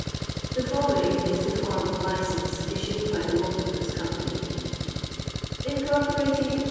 The following is the form of licence issued by the Watermen's Company: — INCOEPOHATBD 1827.